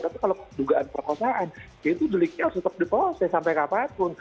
tapi kalau dugaan perkosaan itu deliknya harus tetap diproses sampai ke apapun